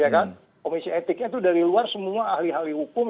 komisi etiknya itu dari luar semua ahli ahli hukum